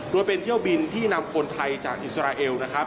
โดยเป็นเที่ยวบินที่นำคนไทยจากอิสราเอลนะครับ